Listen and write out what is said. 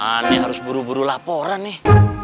ini harus buru buru laporan nih